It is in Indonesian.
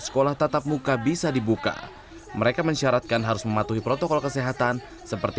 sekolah tatap muka bisa dibuka mereka mensyaratkan harus mematuhi protokol kesehatan seperti